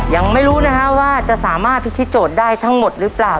ยังไม่รู้นะฮะว่าจะสามารถพิธีโจทย์ได้ทั้งหมดหรือเปล่า